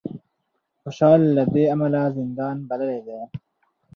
خوشال له دې امله زندان بللی دی